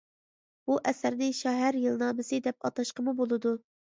بۇ ئەسەرنى «شەھەر يىلنامىسى» دەپ ئاتاشقىمۇ بولىدۇ.